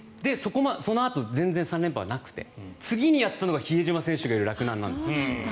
そのあと全然３連覇はなくて次にやったのが比江島選手がいる洛南なんです。